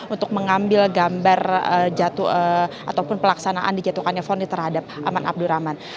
untuk mengambil gambar jatuh ataupun pelaksanaan dijatuhkan foni terhadap aman abdur rahman